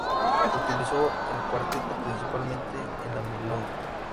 Utilizó el cuarteto principalmente en la milonga.